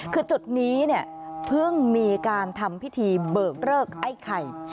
คือจุดนี้เนี่ยเพิ่งมีการทำพิธีเบิกเลิกไอ้ไข่